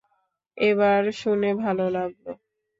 এবার শুনে ভাল লাগল!